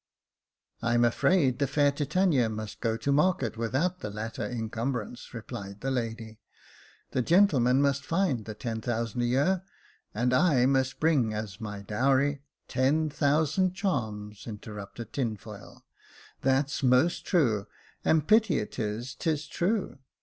" I'm afraid the fair Titania must go to market without the latter incumbrance," replied the lady. " The gentle man must find the ten thousand a year, and I must bring as my dowry —" "Ten thousand charms," interrupted Tinfoil — "that's most true, and pity 'tis 'tis true.